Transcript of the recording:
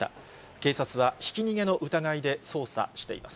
警察はひき逃げの疑いで捜査しています。